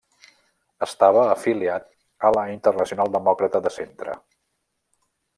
Estava afiliat a la Internacional Demòcrata de Centre.